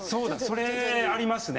それありますね。